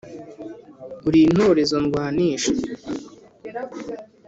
uri intorezo ndwanisha